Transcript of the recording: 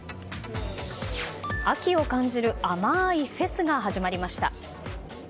秋を感じる甘いフェスが始まりました。